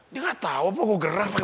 dia gak tau apa gue gerak pake